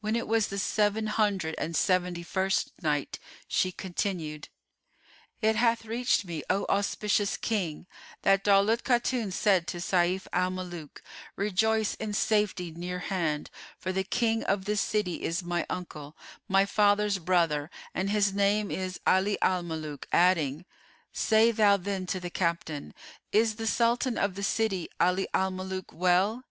When it was the Seven Hundred and Seventy first Night, She continued, It hath reached me, O auspicious King, that Daulat Khatun said to Sayf al Muluk, "Rejoice in safety near hand; for the King of this city is my uncle, my father's brother and his name is 'Ali al Mulúk,"[FN#430] adding, "Say thou then to the captain, 'Is the Sultan of the city, Ali al Muluk, well?